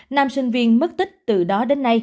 nam sinh viên mất tích từ đó